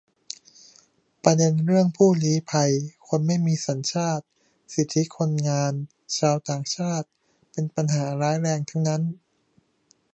ประเด็นเรื่องผู้ลี้ภัย คนไม่มีสัญชาติ สิทธิคนงานชาวต่างชาติ เป็นปัญหาร้ายแรงทั้งนั้น